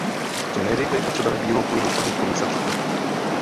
Co nejrychleji potřebujeme bílou knihu, paní komisařko.